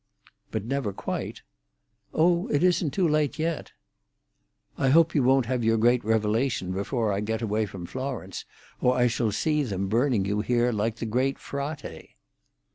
"But never quite?" "Oh, it isn't too late yet." "I hope you won't have your revelation before I get away from Florence, or I shall see them burning you here like the great frate."